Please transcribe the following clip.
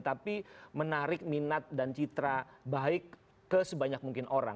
tapi menarik minat dan citra baik ke sebanyak mungkin orang